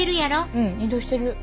うん移動してる。